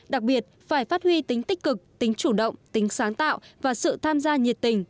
đặc biệt phải phát huy tính tích cực tính chủ động tính sáng tạo và sự tham gia nhiệt tình